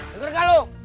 dengar gak lo